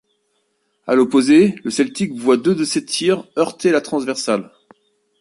À l’opposé le Celtic voit deux de ses tirs heurter la transversale.